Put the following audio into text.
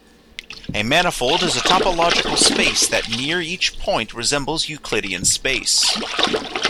A manifold is a topological space that near each point resembles Euclidean space.